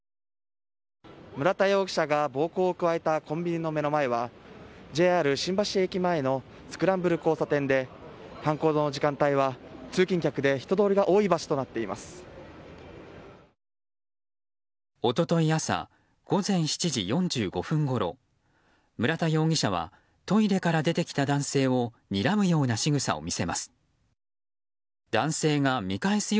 村田容疑者が暴行を加えたコンビニの目の前はＪＲ新橋駅前のスクランブル交差点で犯行の時間帯は通勤客で人通りが多い一昨日朝、午前７時４５分ごろ村田容疑者はトイレから出てきた男性をにらむようなしぐさを見せます。